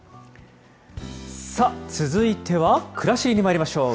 さあ続いては、くらしりにまいりましょう。